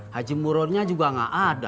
haji murodnya juga gak ada